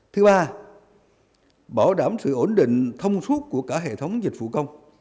thứ ba bảo đảm sự ổn định thông suốt của cả hệ thống dịch vụ công